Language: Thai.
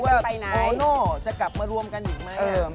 เขาอยากรู้ว่าออนอล์จะกลับมาร่วมกันอีกไหม